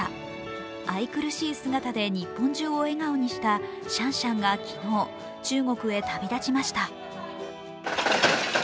愛くるしい姿で日本中を笑顔にしたシャンシャンが昨日、中国へ旅立ちました。